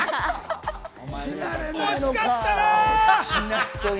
惜しかったな！